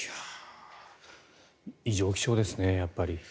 異常気象ですねやっぱり。